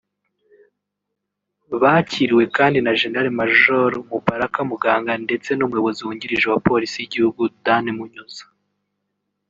Bakiriwe kandi na Gen Maj Mubaraka Muganga ndetse n’ Umuyobozi wungirije wa Polisi y’Igihugu Dan Munyuza